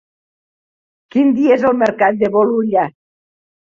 Quin dia és el mercat de Bolulla?